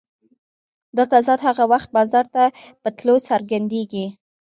دا تضاد هغه وخت بازار ته په تلو څرګندېږي